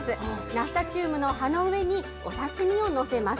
ナスタチウムの葉の上に、お刺身を載せます。